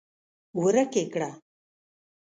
ورک يې کړه!